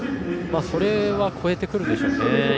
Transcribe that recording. それは超えてくるでしょう。